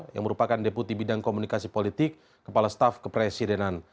yang merupakan deputi bidang komunikasi politik kepala staf kepresidenan